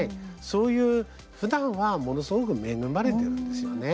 そういう、ふだんはものすごく恵まれてるんですよね。